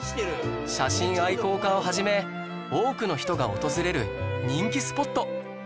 写真愛好家を始め多くの人が訪れる人気スポット